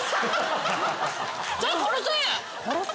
じゃあ殺せ！